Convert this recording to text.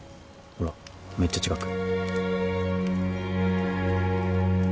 ほらめっちゃ近く。